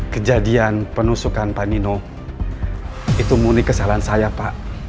kejadian penusukan pak nino itu murni kesalahan saya pak